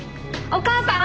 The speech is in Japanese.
お母さん！